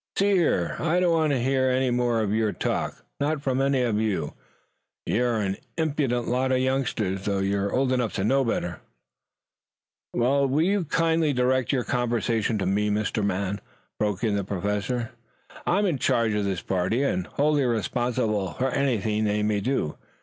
"See here, I don't want to hear any more of your talk, not from any of you. You're an impudent lot of youngsters, though you're old enough to know better." "You will kindly direct your conversation to me, my man," broke in the Professor. "I am in charge of this party and wholly responsible for anything they may do.